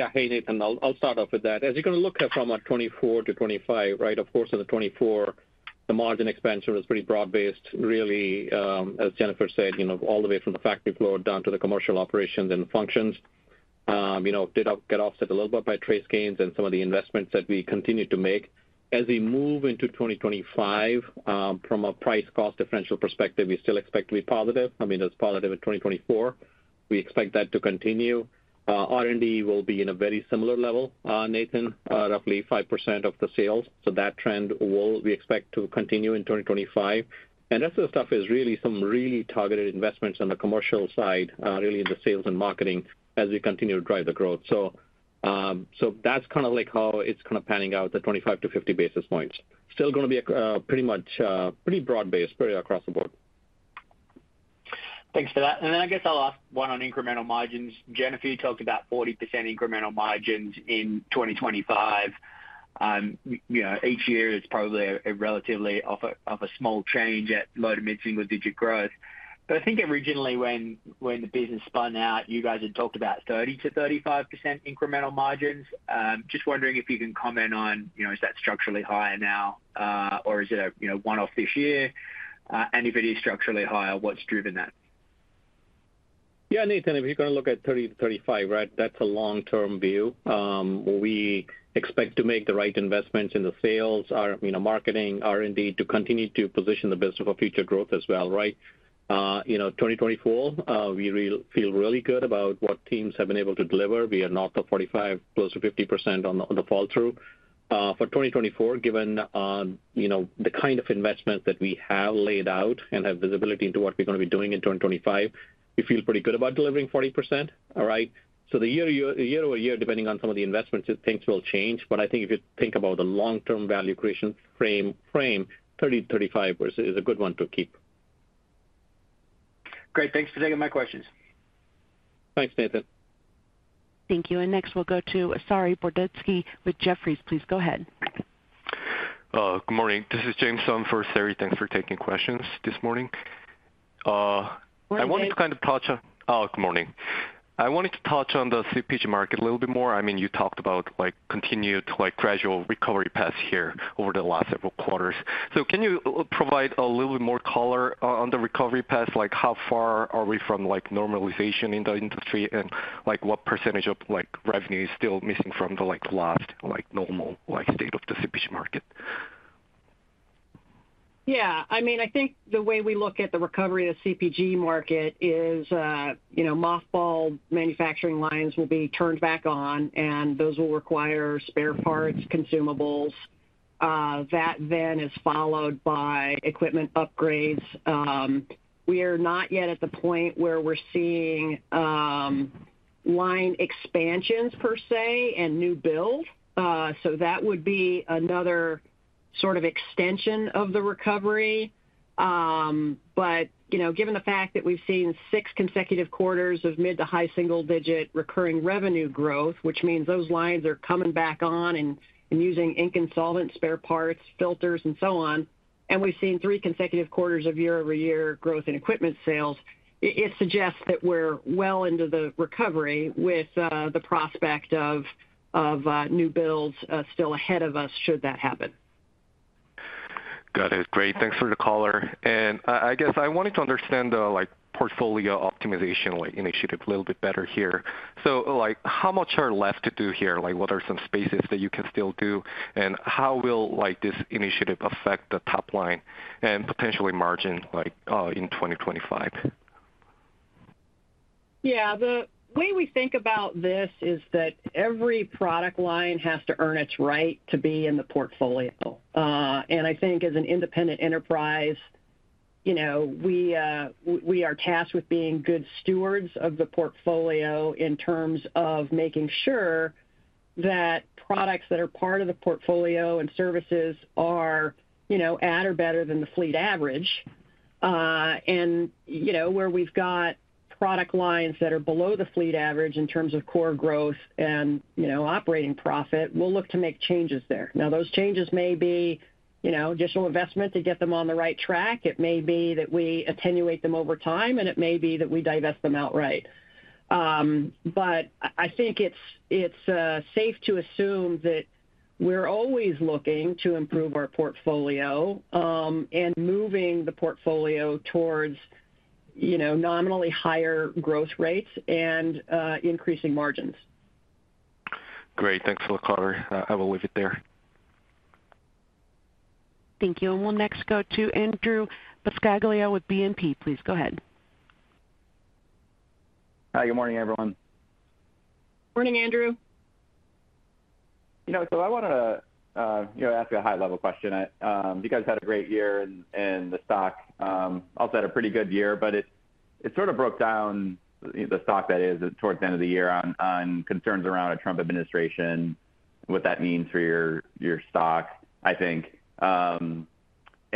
Yeah. Hey, Nathan. I'll start off with that. As you're going to look at from 2024 to 2025, right, of course, in the 2024, the margin expansion was pretty broad-based, really, as Jennifer said, all the way from the factory floor down to the commercial operations and functions. Did get offset a little bit by TraceGains and some of the investments that we continued to make. As we move into 2025, from a price-cost differential perspective, we still expect to be positive. I mean, it's positive in 2024. We expect that to continue. R&D will be in a very similar level, Nathan, roughly 5% of the sales. So that trend will we expect to continue in 2025. And that's the stuff is really some really targeted investments on the commercial side, really in the sales and marketing as we continue to drive the growth. So that's kind of like how it's kind of panning out, the 25-50 basis points. Still going to be pretty much broad-based across the board. Thanks for that. Then I guess I'll ask one on incremental margins. Jennifer talked about 40% incremental margins in 2025. Each year, it's probably a relatively small change at low- to mid-single-digit growth. But I think originally when the business spun out, you guys had talked about 30%-35% incremental margins. Just wondering if you can comment on, is that structurally higher now, or is it a one-off this year? And if it is structurally higher, what's driven that? Yeah, Nathan, if you're going to look at 30%-35%, right, that's a long-term view. We expect to make the right investments in the sales, marketing, R&D to continue to position the business for future growth as well, right? 2024, we feel really good about what teams have been able to deliver. We are north of 45%, close to 50% on the fall-through. For 2024, given the kind of investments that we have laid out and have visibility into what we're going to be doing in 2025, we feel pretty good about delivering 40%, right? So the year-over-year, depending on some of the investments, things will change. But I think if you think about the long-term value creation frame, 30%-35% is a good one to keep. Great. Thanks for taking my questions. Thanks, Nathan. Thank you. And next, we'll go to Saree Boroditsky with Jefferies. Please go ahead. Good morning. This is James on for Saree. Thanks for taking questions this morning. I wanted to kind of touch on the CPG market a little bit more. I mean, you talked about continued gradual recovery paths here over the last several quarters. So can you provide a little bit more color on the recovery path? How far are we from normalization in the industry, and what percentage of revenue is still missing from the last normal state of the CPG market? Yeah. I mean, I think the way we look at the recovery of the CPG market is mothballed manufacturing lines will be turned back on, and those will require spare parts, consumables. That then is followed by equipment upgrades. We are not yet at the point where we're seeing line expansions per se and new build. So that would be another sort of extension of the recovery. But given the fact that we've seen six consecutive quarters of mid- to high single-digit recurring revenue growth, which means those lines are coming back on and using consumable spare parts, filters, and so on, and we've seen three consecutive quarters of year-over-year growth in equipment sales, it suggests that we're well into the recovery with the prospect of new builds still ahead of us should that happen. Got it. Great. Thanks for the color. And I guess I wanted to understand the portfolio optimization initiative a little bit better here. So how much are left to do here? What are some spaces that you can still do, and how will this initiative affect the top line and potentially margin in 2025? Yeah. The way we think about this is that every product line has to earn its right to be in the portfolio. I think as an independent enterprise, we are tasked with being good stewards of the portfolio in terms of making sure that products that are part of the portfolio and services are at or better than the fleet average. And where we've got product lines that are below the fleet average in terms of core growth and operating profit, we'll look to make changes there. Now, those changes may be additional investment to get them on the right track. It may be that we attenuate them over time, and it may be that we divest them outright. But I think it's safe to assume that we're always looking to improve our portfolio and moving the portfolio towards nominally higher growth rates and increasing margins. Great. Thanks for the color. I will leave it there. Thank you. And we'll next go to Andrew Buscaglia with BNP. Please go ahead. Hi. Good morning, everyone. Morning, Andrew. So I wanted to ask you a high-level question. You guys had a great year in the stock. I'll say a pretty good year, but it sort of broke down the stock, that is, towards the end of the year on concerns around a Trump administration, what that means for your stock, I think. And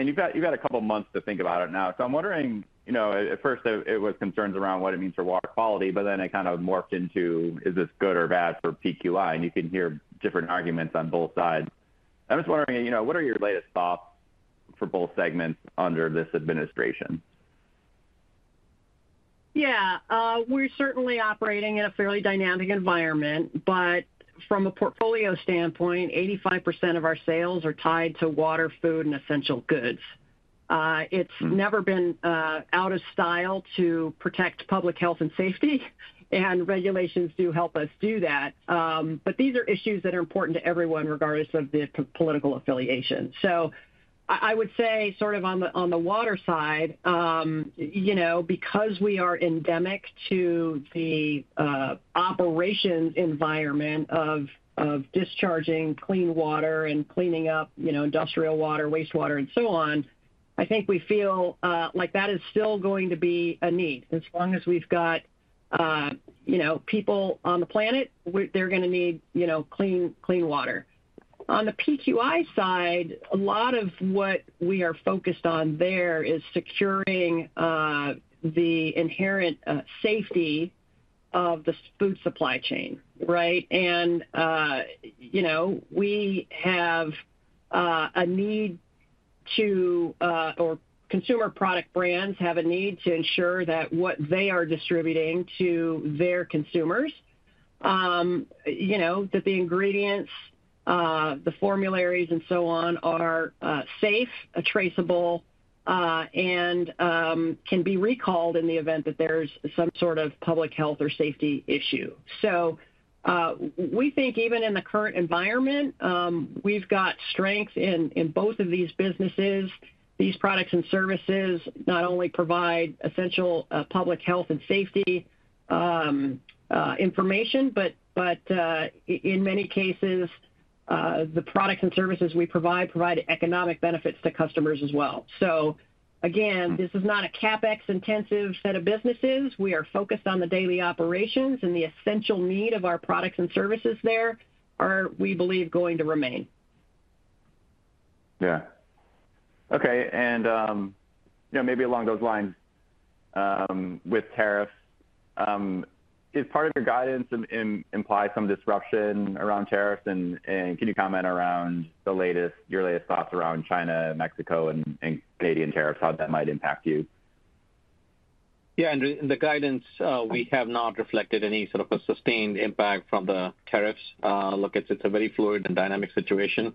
you've had a couple of months to think about it now. So I'm wondering, at first, it was concerns around what it means for water quality, but then it kind of morphed into, is this good or bad for PQI? And you can hear different arguments on both sides. I'm just wondering, what are your latest thoughts for both segments under this administration? Yeah. We're certainly operating in a fairly dynamic environment, but from a portfolio standpoint, 85% of our sales are tied to water, food, and essential goods. It's never been out of style to protect public health and safety, and regulations do help us do that. But these are issues that are important to everyone regardless of the political affiliation. So I would say sort of on the water side, because we are endemic to the operations environment of discharging clean water and cleaning up industrial water, wastewater, and so on, I think we feel like that is still going to be a need. As long as we've got people on the planet, they're going to need clean water. On the PQI side, a lot of what we are focused on there is securing the inherent safety of the food supply chain, right? And we have a need to, or consumer product brands have a need to ensure that what they are distributing to their consumers, that the ingredients, the formulations, and so on are safe, traceable, and can be recalled in the event that there's some sort of public health or safety issue. So we think even in the current environment, we've got strength in both of these businesses. These products and services not only provide essential public health and safety information, but in many cases, the products and services we provide provide economic benefits to customers as well. So again, this is not a CapEx-intensive set of businesses. We are focused on the daily operations, and the essential need of our products and services there are, we believe, going to remain. Yeah. Okay. And maybe along those lines with tariffs, is part of your guidance imply some disruption around tariffs? Can you comment around your latest thoughts around China, Mexico, and Canadian tariffs, how that might impact you? Yeah. In the guidance, we have not reflected any sort of a sustained impact from the tariffs. Look, it's a very fluid and dynamic situation.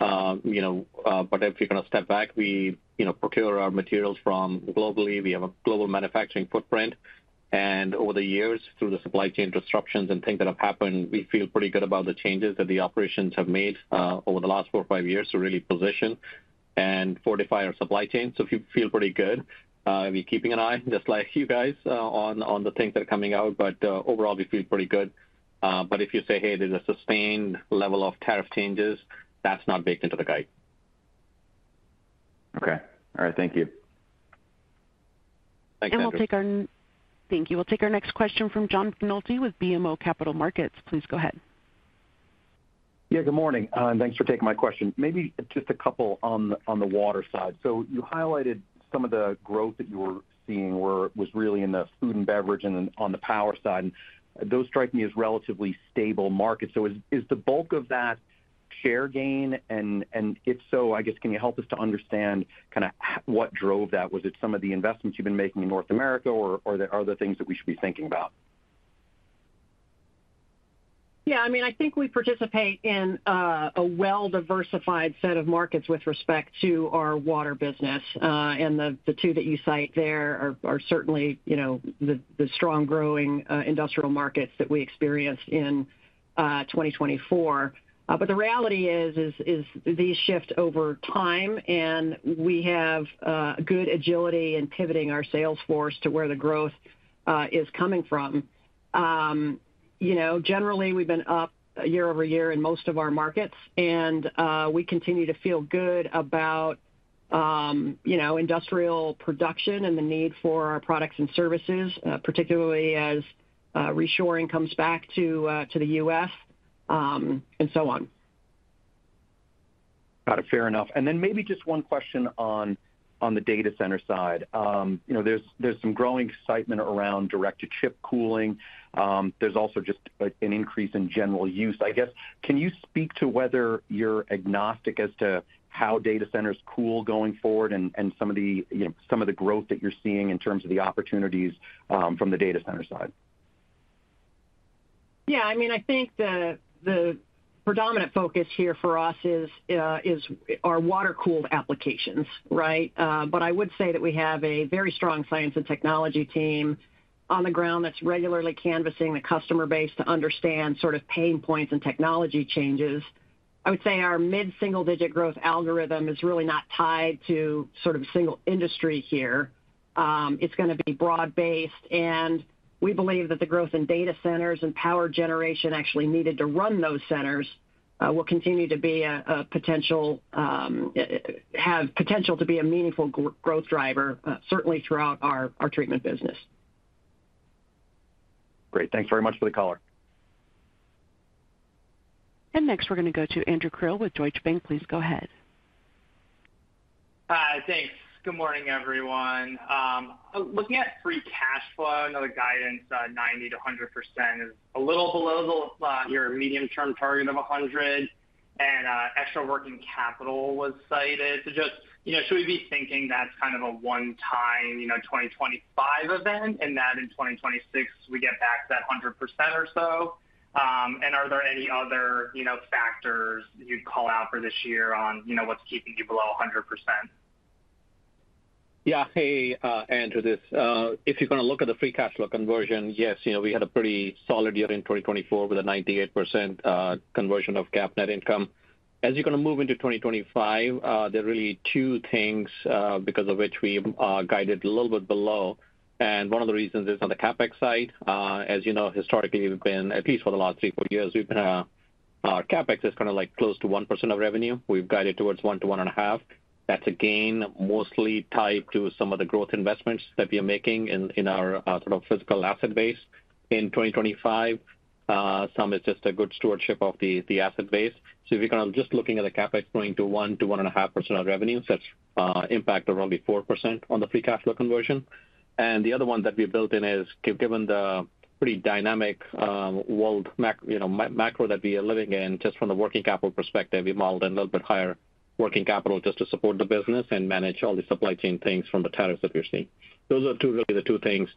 If you're going to step back, we procure our materials globally. We have a global manufacturing footprint. And over the years, through the supply chain disruptions and things that have happened, we feel pretty good about the changes that the operations have made over the last four or five years to really position and fortify our supply chain. So we feel pretty good. We're keeping an eye, just like you guys, on the things that are coming out. Overall, we feel pretty good. If you say, "Hey, there's a sustained level of tariff changes," that's not baked into the guide. Okay. All right. Thank you. Thanks, Andrew. And we'll take our next question from John McNulty with BMO Capital Markets. Please go ahead. Yeah. Good morning. And thanks for taking my question. Maybe just a couple on the water side. So you highlighted some of the growth that you were seeing was really in the food and beverage and on the power side. Those strike me as relatively stable markets. So is the bulk of that share gain? And if so, I guess, can you help us to understand kind of what drove that? Was it some of the investments you've been making in North America, or are there other things that we should be thinking about? Yeah. I mean, I think we participate in a well-diversified set of markets with respect to our water business. And the two that you cite there are certainly the strong-growing industrial markets that we experienced in 2024. But the reality is these shift over time, and we have good agility in pivoting our sales force to where the growth is coming from. Generally, we've been up year-over-year in most of our markets, and we continue to feel good about industrial production and the need for our products and services, particularly as reshoring comes back to the U.S. and so on. Got it. Fair enough. And then maybe just one question on the data center side. There's some growing excitement around direct chip cooling. There's also just an increase in general use. I guess, can you speak to whether you're agnostic as to how data centers cool going forward and some of the growth that you're seeing in terms of the opportunities from the data center side? Yeah. I mean, I think the predominant focus here for us is our water-cooled applications, right? But I would say that we have a very strong science and technology team on the ground that's regularly canvassing the customer base to understand sort of pain points and technology changes. I would say our mid-single-digit growth algorithm is really not tied to sort of a single industry here. It's going to be broad-based. And we believe that the growth in data centers and power generation actually needed to run those centers will continue to be a potential to be a meaningful growth driver, certainly throughout our treatment business. Great. Thanks very much for the color. And next, we're going to go to Andrew Krill with Deutsche Bank. Please go ahead. Hi. Thanks. Good morning, everyone. Looking at free cash flow, another guidance, 90%-100% is a little below your medium-term target of 100%. And extra working capital was cited. So just should we be thinking that's kind of a one-time 2025 event and that in 2026 we get back to that 100% or so? And are there any other factors you'd call out for this year on what's keeping you below 100%? Yeah. Hey, Andrew, this. If you're going to look at the free cash flow conversion, yes, we had a pretty solid year in 2024 with a 98% conversion of adjusted net income. As you're going to move into 2025, there are really two things because of which we guided a little bit below. And one of the reasons is on the CapEx side. As you know, historically, we've been, at least for the last three or four years, we've been our CapEx is kind of like close to 1% of revenue. We've guided towards 1%-1.5%. That's a gain mostly tied to some of the growth investments that we are making in our sort of physical asset base in 2025. Some is just a good stewardship of the asset base. So if you're kind of just looking at the CapEx going to 1%-1.5% of revenue, that's impacted around 4% on the free cash flow conversion. And the other one that we built in is, given the pretty dynamic world macro that we are living in, just from the working capital perspective, we modeled a little bit higher working capital just to support the business and manage all the supply chain things from the tariffs that we're seeing. Those are really the two things.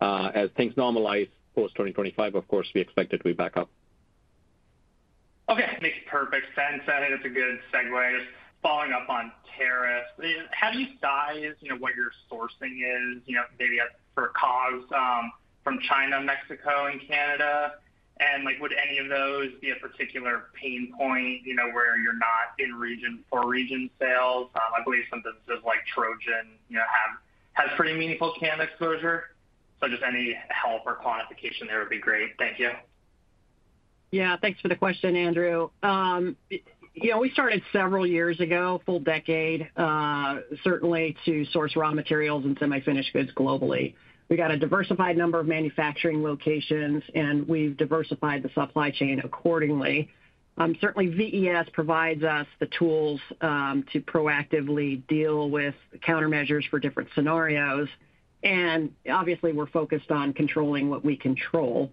As things normalize post-2025, of course, we expect it to be back up. Okay. Makes perfect sense. I think that's a good segue. Just following up on tariffs, how do you size what your sourcing is, maybe across from China, Mexico, and Canada? And would any of those be a particular pain point where you're not in region for region sales? I believe some businesses like Trojan have pretty meaningful Canada exposure. So just any help or quantification there would be great. Thank you. Yeah. Thanks for the question, Andrew. We started several years ago, a full decade ago, certainly to source raw materials and semi-finished goods globally. We got a diversified number of manufacturing locations, and we've diversified the supply chain accordingly. Certainly, VES provides us the tools to proactively deal with countermeasures for different scenarios. Obviously, we're focused on controlling what we control.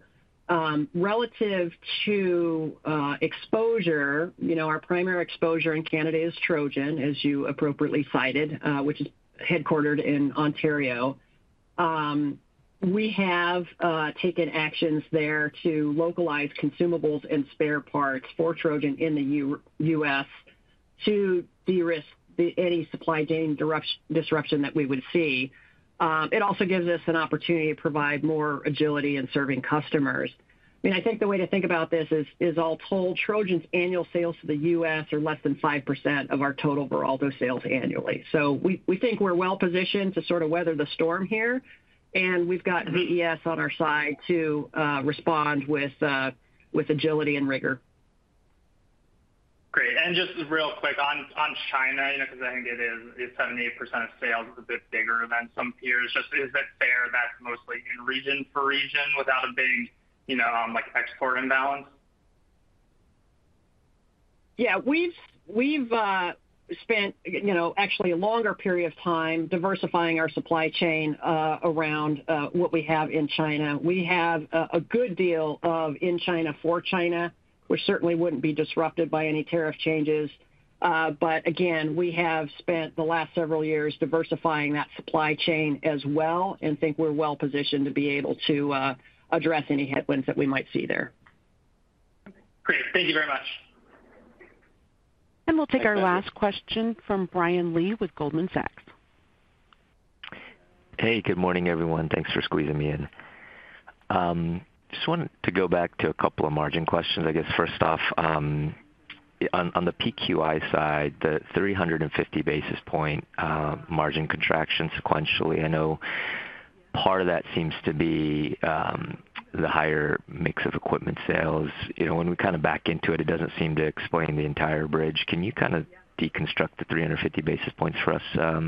Relative to exposure, our primary exposure in Canada is Trojan, as you appropriately cited, which is headquartered in Ontario. We have taken actions there to localize consumables and spare parts for Trojan in the U.S. to de-risk any supply chain disruption that we would see. It also gives us an opportunity to provide more agility in serving customers. I mean, I think the way to think about this is, all told, Trojan's annual sales to the U.S. are less than 5% of our total Veralto sales annually. So we think we're well-positioned to sort of weather the storm here. We've got VES on our side to respond with agility and rigor. Great. Just real quick on China, because I think it is 70% of sales, a bit bigger than some peers. Just, is it fair that's mostly in region for region without a big export imbalance? Yeah. We've spent actually a longer period of time diversifying our supply chain around what we have in China. We have a good deal of in China for China, which certainly wouldn't be disrupted by any tariff changes. But again, we have spent the last several years diversifying that supply chain as well and think we're well-positioned to be able to address any headwinds that we might see there. Great. Thank you very much. And we'll take our last question from Brian Lee with Goldman Sachs. Hey, good morning, everyone. Thanks for squeezing me in. Just wanted to go back to a couple of margin questions. I guess, first off, on the PQI side, the 350 basis points margin contraction sequentially, I know part of that seems to be the higher mix of equipment sales. When we kind of back into it, it doesn't seem to explain the entire bridge. Can you kind of deconstruct the 350 basis points for us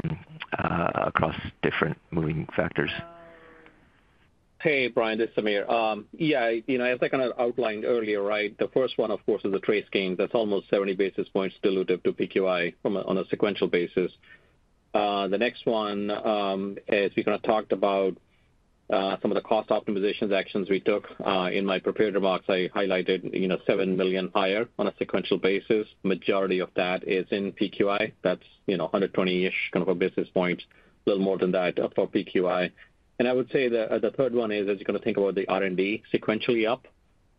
across different moving factors? Hey, Brian, this is Sameer. Yeah. As I kind of outlined earlier, right, the first one, of course, is the TraceGains. That's almost 70 basis points dilutive to PQI on a sequential basis. The next one is we kind of talked about some of the cost optimization actions we took. In my prepared remarks, I highlighted $7 million higher on a sequential basis. Majority of that is in PQI. That's 120-ish kind of a basis point, a little more than that for PQI, and I would say the third one is, as you're going to think about the R&D sequentially up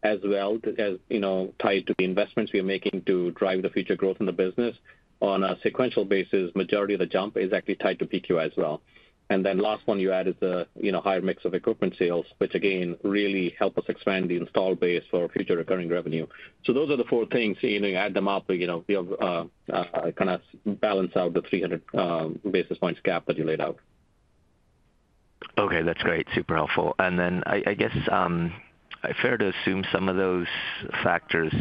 as well, tied to the investments we are making to drive the future growth in the business. On a sequential basis, majority of the jump is actually tied to PQI as well. And then last one you add is the higher mix of equipment sales, which again, really help us expand the installed base for future recurring revenue. So those are the four things. You add them up, you kind of balance out the 300 basis points gap that you laid out. Okay. That's great. Super helpful. And then I guess fair to assume some of those factors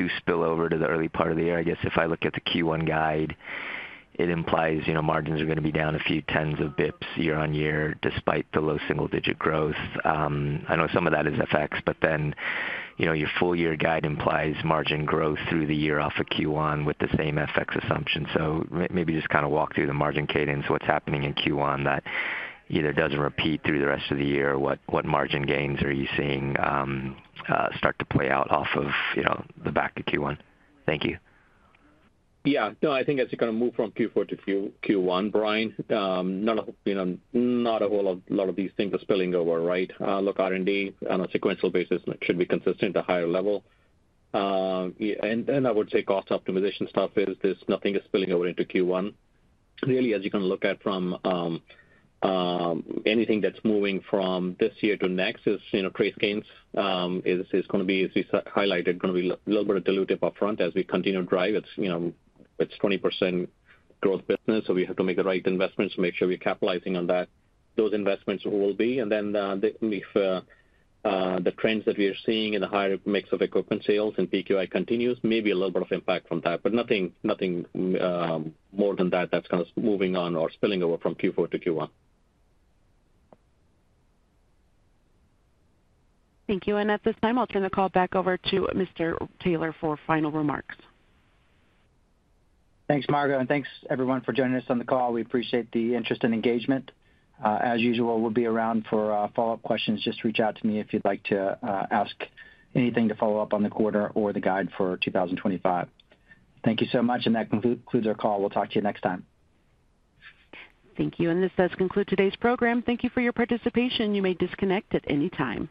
do spill over to the early part of the year. I guess if I look at the Q1 guide, it implies margins are going to be down a few tens of basis points year-on-year despite the low single-digit growth. I know some of that is FX, but then your full-year guide implies margin growth through the year off of Q1 with the same FX assumption. So maybe just kind of walk through the margin cadence, what's happening in Q1 that either doesn't repeat through the rest of the year, what margin gains are you seeing start to play out off of the back of Q1? Thank you. Yeah. No, I think as you kind of move from Q4-Q1, Brian, not a whole lot of these things are spilling over, right? Look, R&D on a sequential basis should be consistent at a higher level. And I would say cost optimization stuff is. Nothing is spilling over into Q1. Really, as you can look at from anything that's moving from this year to next, TraceGains is going to be, as we highlighted, going to be a little bit of dilutive upfront as we continue to drive. It's a 20% growth business, so we have to make the right investments to make sure we're capitalizing on that. Those investments will be, and then if the trends that we are seeing in the higher mix of equipment sales and PQI continues, maybe a little bit of impact from that. But nothing more than that that's kind of moving on or spilling over from Q4-Q1. Thank you, and at this time, I'll turn the call back over to Mr. Taylor for final remarks. Thanks, Margo, and thanks, everyone, for joining us on the call. We appreciate the interest and engagement. As usual, we'll be around for follow-up questions. Just reach out to me if you'd like to ask anything to follow up on the quarter or the guide for 2025. Thank you so much, and that concludes our call. We'll talk to you next time. Thank you. This does conclude today's program. Thank you for your participation. You may disconnect at any time.